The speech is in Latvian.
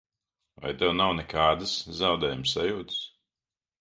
Vai tev nav nekādas zaudējuma sajūtas?